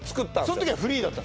そん時はフリーだった？